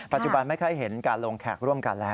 ไม่ค่อยเห็นการลงแขกร่วมกันแล้ว